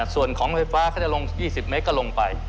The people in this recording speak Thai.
ส่วนของไฟฟ้าเขาจะลง๒๐เมตรก็ลงไป